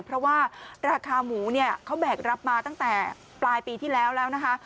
เพราะว่าราคาหมูเนี่ยเขาแบกรับมาตั้งแต่ปลายปีที่แล้วแล้วนะคะ